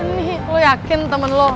ini lo yakin temen lo